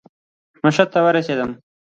مشهد ته ورسېدم.